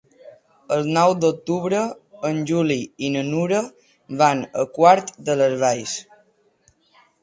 El nou d'octubre en Juli i na Nura van a Quart de les Valls.